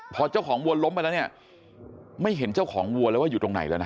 พอเจ้าของวัวล้มไปแล้วเนี่ยไม่เห็นเจ้าของวัวแล้วว่าอยู่ตรงไหนแล้วนะ